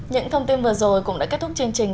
những thông tin vừa rồi cũng đã kết thúc chương trình